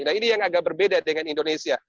nah ini yang agak berbeda dengan indonesia